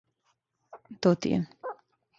То ти је.